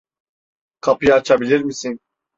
Kapıyı açabilir misin?